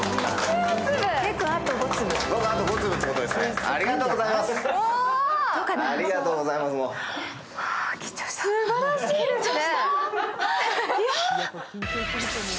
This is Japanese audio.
すばらしいですね。